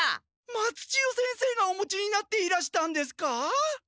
松千代先生がお持ちになっていらしたんですか？